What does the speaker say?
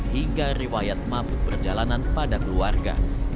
hingga riwayat mabuk perjalanan pada keluarga